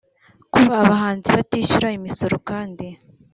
Kuba abahanzi batishyura imisoro kandi